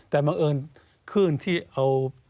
แต่บังเอิญคลื่นที่เอา